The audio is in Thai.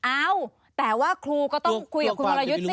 เอ้าแต่ว่าครูก็ต้องคุยกับคุณวรยุทธ์สิ